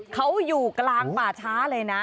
เขาอยู่กลางป่าช้าเลยนะ